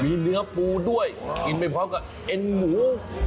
มีเนื้อปูด้วยกินไปพร้อมกับเอ็นหมู